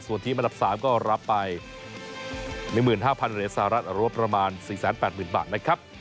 ส่วนทีมอันดับ๓ก็รับไป๑๕๐๐เหรียญสหรัฐหรือว่าประมาณ๔๘๐๐๐บาทนะครับ